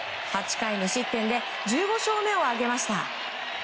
８回無失点で１５勝目を挙げました。